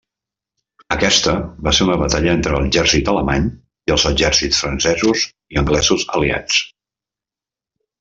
Aquesta, va ser una batalla entre l'Exèrcit Alemany i els exèrcits francesos i anglesos aliats.